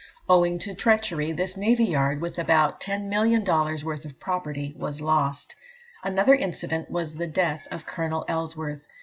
Owing to treachery, this navy yard, with about 10,000,000 dollars' worth of property, was lost. Another incident was the death of Colonel Ellsworth.